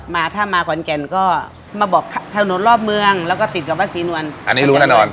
มาถ้ามาขอนแก่นก็มาบอกถนนรอบเมืองแล้วก็ติดกับวัดศรีนวลอันนี้รู้แน่นอน